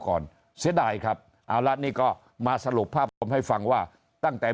เสียดายครับเอาละนี่ก็มาสรุปภาพรวมให้ฟังว่าตั้งแต่